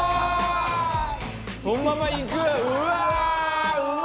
「そのままいく？」